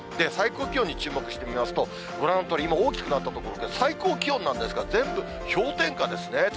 最高気温に注目してみますと、ご覧のとおり今、大きくなった所、最高気温なんですが、全部氷点下なんですね。